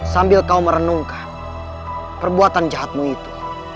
sambil kau merenungkan perbuatan jahatmu itu